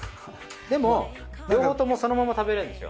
でも両方ともそのまま食べられるんですよ。